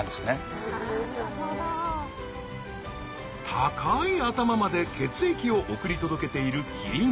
高い頭まで血液を送り届けているキリン。